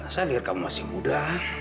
saya lihat kamu masih muda